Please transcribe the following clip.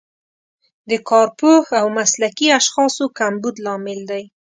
د کارپوه او مسلکي اشخاصو کمبود لامل دی.